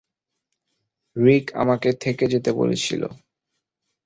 রিক আমাকে থেকে যেতে বলেছিল।